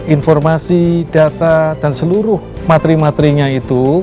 informasi data dan seluruh materi materinya itu